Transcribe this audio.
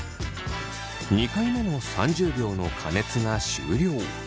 ２回目の３０秒の加熱が終了。